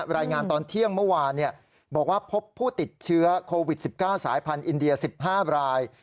รายงานตอนเที่ยงเมื่อวานบอกว่าพบผู้ติดเชื้อโควิด๑๙สายพันธุ์อินเดีย๑๕ราย